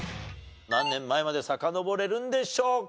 何年前までさかのぼれるんでしょうか？